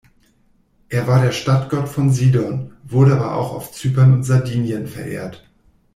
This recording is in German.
Er war der Stadtgott von Sidon, wurde aber auch auf Zypern und Sardinien verehrt.